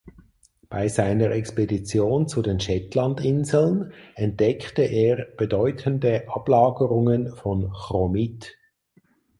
Bei seiner Expedition zu den Shetlandinseln entdeckte er bedeutende Ablagerungen von Chromit.